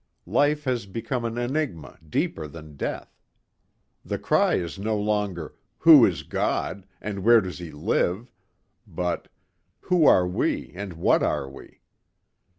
Life has become an enigma deeper than death. The cry is no longer "Who is God? And where does He live?" But, "Who are We and what are We?"